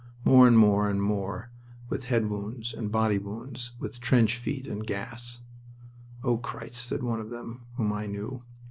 More, and more, and more, with head wounds, and body wounds, with trench feet, and gas. "O Christ!" said one of them whom I knew.